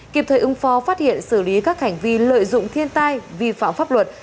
kịp thời ứng phó phát hiện xử lý các hành vi lợi dụng thiên tai vi phạm pháp luật